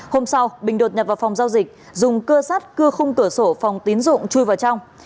hôm sau bình đột nhập vào phòng giao dịch dùng cưa sắt cưa khung cửa sổ phòng tín dụng chui vào trong